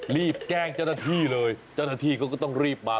รีบแจ้งเจ้าหน้าที่เลยเจ้าหน้าที่เขาก็ต้องรีบมา